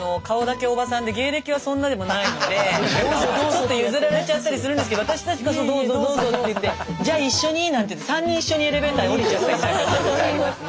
ちょっと譲られちゃったりするんですけど私たちこそ「どうぞどうぞ」って言って「じゃあ一緒に」なんて３人一緒にエレベーター降りちゃったりなんかすることありますね。